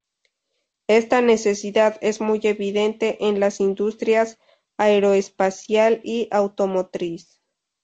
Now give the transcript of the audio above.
Esta necesidad es muy evidente en las industrias aeroespacial y automotriz.